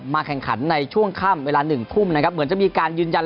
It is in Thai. แข่งขันในช่วงค่ำเวลาหนึ่งทุ่มนะครับเหมือนจะมีการยืนยัน